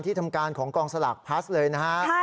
ทำการของกองสลากพลัสเลยนะฮะ